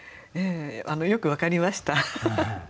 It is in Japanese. よく分かりました。